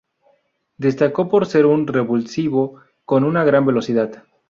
Destacó por ser un revulsivo con una gran velocidad.